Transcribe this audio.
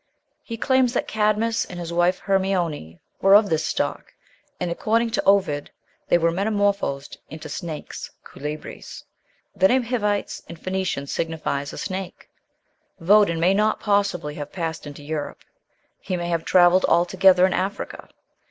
He claims that Cadmus and his wife Hermione were of this stock; and according to Ovid they were metamorphosed into snakes (Culebres). The name Hivites in Phoenician signifies a snake. Votan may not, possibly, have passed into Europe; he may have travelled altogether in Africa.